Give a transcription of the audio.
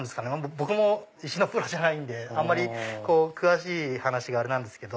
僕も石のプロじゃないんであまり詳しい話があれですけど。